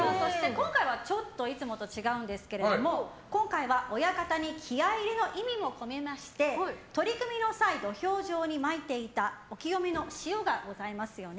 今回はちょっといつもと違うんですが今回は親方に気合入れの意味も込めまして取組の際土俵上にまいていたお清めの塩がございますよね。